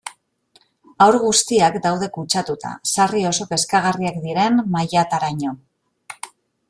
Haur guztiak daude kutsatuta, sarri oso kezkagarriak diren mailataraino.